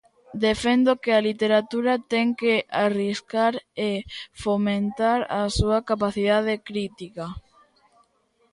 Defendo que a literatura ten que arriscar e fomentar a súa capacidade crítica.